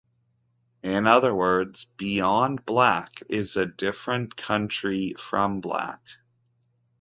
In other words, "beyond black" is a different country from black.